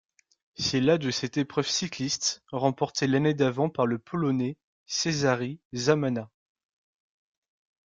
C'est la de cette épreuve cycliste, remportée l'année d'avant par le Polonais Cezary Zamana.